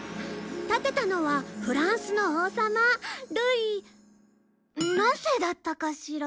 建てたのはフランスの王様ルイ何世だったかしら？